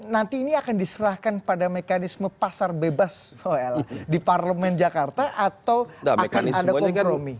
nanti ini akan diserahkan pada mekanisme pasar bebas oil di parlemen jakarta atau akan ada kompromi